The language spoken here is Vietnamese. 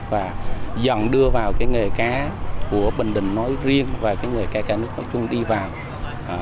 và dần đưa vào cái nghề cá của bình định nói riêng và cái nghề cá cả nước nói chung đi vào